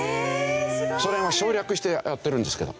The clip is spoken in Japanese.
それも省略してやってるんですけど。